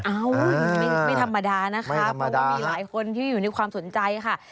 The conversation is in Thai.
ไม่ธรรมดานะคะเพราะว่ามีหลายคนที่อยู่ในความสนใจค่ะ